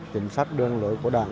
chính sách đơn lỗi của đảng